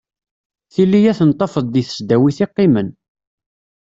Tili ad ten-tafeḍ deg tesdawit i qqimen.